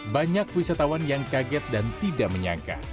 banyak wisatawan yang kaget dan tidak menyangka